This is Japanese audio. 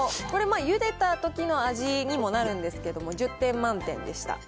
これまあ、ゆでたときの味にもなるんですけど、１０点満点でした。